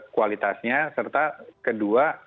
kualitasnya serta kedua